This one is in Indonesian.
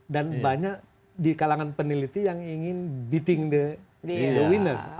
dan banyak di kalangan peneliti yang ingin beating the winner